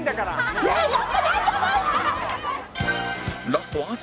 ラストは淳